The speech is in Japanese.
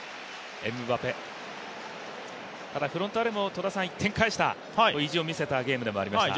フロンターレも１点返した意地を見せたゲームでもありました。